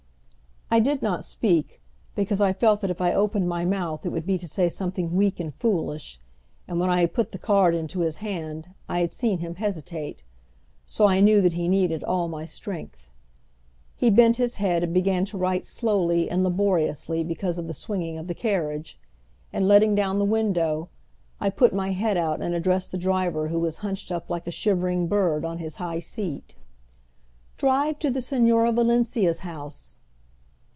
I did not speak, because I felt that if I opened my mouth it would be to say something weak and foolish, and when I had put the card into his hand I had seen him hesitate; so I knew that he needed all my strength. He bent his head and began to write slowly and laboriously because of the swinging of the carriage; and, letting down the window, I put my head out and addressed the driver who was hunched up like a shivering bird on his high seat. "Drive to the Señora Valencia's house."